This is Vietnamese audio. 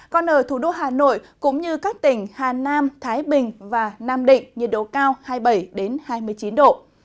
còn ở thủ đô hà nội cũng như các tỉnh hà nam thái bình và nam định nhiệt độ cao hai mươi bảy hai mươi chín độ